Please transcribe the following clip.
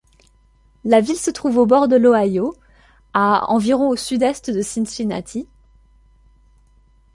La ville se trouve au bord de l'Ohio, à environ au Sud-Est de Cincinnati.